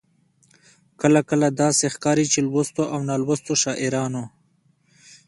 کله کله داسې ښکاري چې لوستو او نالوستو شاعرانو.